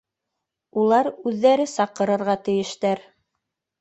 Улар үҙҙәре саҡырырға тейештәр.